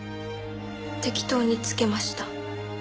適当に付けました。